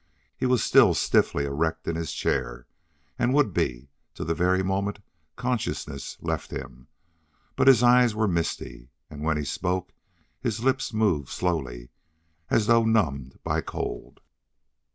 He was still stiffly erect in his chair, and would be till the very moment consciousness left him, but his eyes were misty, and when he spoke his lips moved slowly, as though numbed by cold.